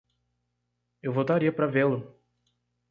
Eu voltaria para vê-lo!